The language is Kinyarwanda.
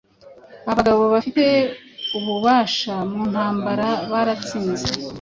Abagabo bafite ububasha mu ntambara baratsinze